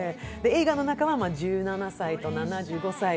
映画の中は１７歳と７５歳。